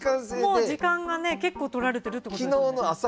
もう時間がね結構取られてるってことですよね。